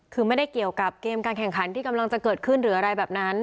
คือไม่ได้เกี่ยวกับเกมการแข่งขันที่กำลังจะเกิดขึ้นหรืออะไรแบบนั้น